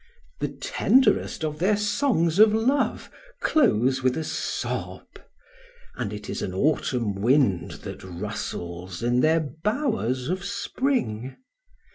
The tenderest of their songs of love close with a sob; and it is an autumn wind that rustles in their bowers of spring.